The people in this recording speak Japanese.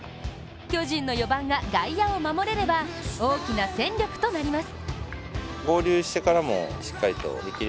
巨人の４番が外野を守れれば大きな戦力となります。